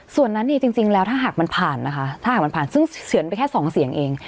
ตอนนั้นจริงแล้วถ้าหากมันผ่านนะคะถ้าหากมันผ่านซึ่งเสือนไปแค่๒เสียงเอง